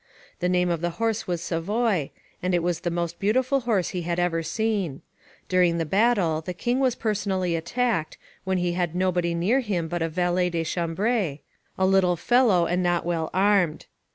The name of the horse was Savoy, and it was the most beautiful horse he had ever seen. During the battle the king was personally attacked, when he had nobody near him but a valet de chambre, a little fellow, and not well armed.